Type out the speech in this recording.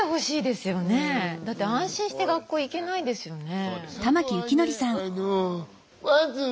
だって安心して学校行けないですよね。